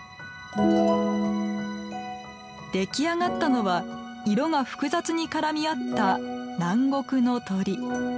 できあがったのは色が複雑に絡み合った南国の鳥。